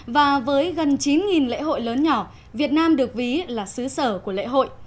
và với gần chín lễ hội lớn nhỏ việt nam được ví là xứ sở của lễ hội